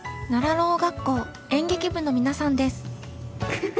ろう学校演劇部の皆さんです。